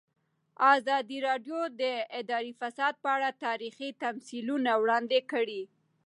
ازادي راډیو د اداري فساد په اړه تاریخي تمثیلونه وړاندې کړي.